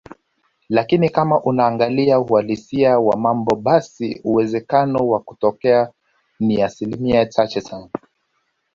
lakini kama unaangalia uhalisia wa mambo basi uwezekano wa kutokea ni asilimia chache sana